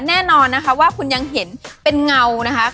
แน่นอนนะคะว่าคุณยังเห็นเป็นเงานะคะ